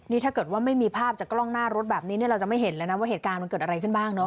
นี่ถ้าเกิดว่าไม่มีภาพจากกล้องหน้ารถแบบนี้เนี่ยเราจะไม่เห็นเลยนะว่าเหตุการณ์มันเกิดอะไรขึ้นบ้างเนาะ